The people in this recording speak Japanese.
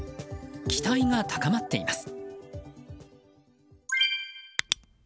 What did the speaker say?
期待が高まっています。